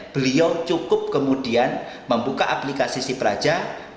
beliau cukup kemudian membuka aplikasi sipraja